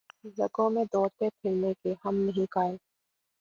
رگوں میں دوڑتے پھرنے کے ہم نہیں قائل